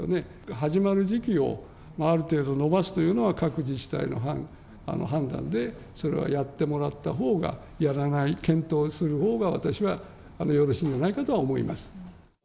始まる時期をある程度延ばすというのは、各自治体の判断で、それはやってもらったほうが、やらない、検討するほうが、私はよろしいんじゃないかとは思います。